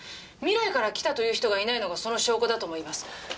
「未来から来た」と言う人がいないのがその証拠だともいいます。